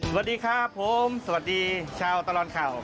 สวัสดีครับผมสวัสดีชาวตลอดข่าว